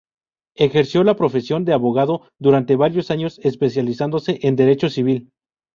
Ejerció la profesión de abogado durante varios años, especializándose en Derecho Civil.